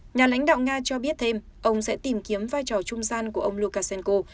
nhà lãnh đạo nga cho biết thêm ông sẽ tìm kiếm vai trò trung gian của ông lukashenko